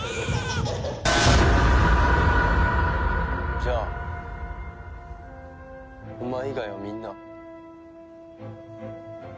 じゃあお前以外はみんな。